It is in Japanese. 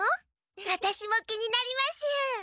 ワタシも気になります！